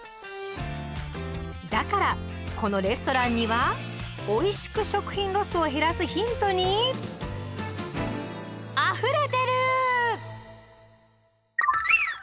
だからこのレストランにはおいしく食品ロスを減らすヒントにあふれてる！